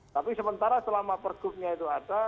tapi sementara selama pergubnya itu ada